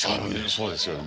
そうですよね。